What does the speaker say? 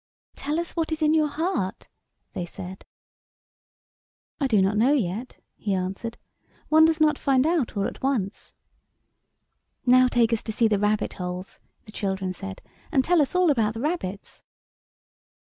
" Tell us what is in your heart," they said. " I do not know yet," he answered. " One does not find out all at once." " Now take us to see the rabbit holes," the children said, " and tell us all about the rabbits."